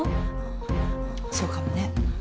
そうかもね。